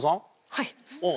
はい。